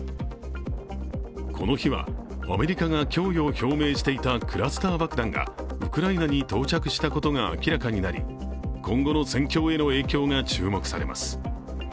この日は、アメリカが供与を表明していたクラスター爆弾がウクライナに到着したことが明らかになり今後の戦況への影響が注目されます。